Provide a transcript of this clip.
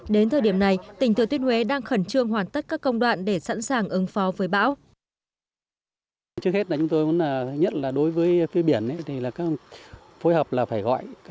đến thời điểm này tỉnh thừa thiên huế đang khẩn trương hoàn tất các công đoạn để sẵn sàng ứng phó với bão